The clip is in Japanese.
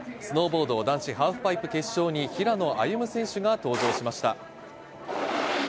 スノーボード男子ハーフパイプ決勝に平野歩夢選手が登場しました。